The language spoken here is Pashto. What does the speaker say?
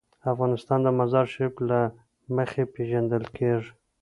افغانستان د مزارشریف له مخې پېژندل کېږي.